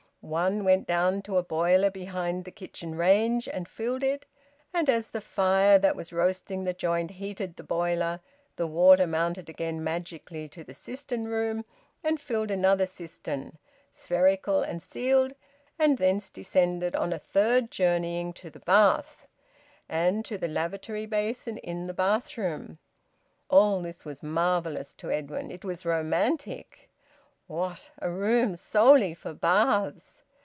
One went down to a boiler behind the kitchen range and filled it, and as the fire that was roasting the joint heated the boiler, the water mounted again magically to the cistern room and filled another cistern, spherical and sealed, and thence descended, on a third journeying, to the bath and to the lavatory basin in the bathroom. All this was marvellous to Edwin; it was romantic. What! A room solely for baths!